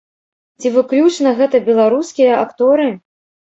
Ці выключна гэта беларускія акторы?